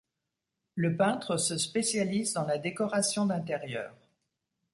Le peintre se spécialise dans la décoration d'intérieurs.